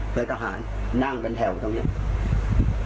เพื่อทหารนั่งเป็นแถวตรงนี้